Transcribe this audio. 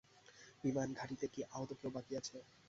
বিমান ঘাঁটিতে কি আহত কেউ বাকি আছে?